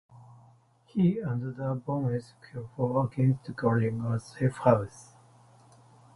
He and the Baroness kill four agents guarding a safe house.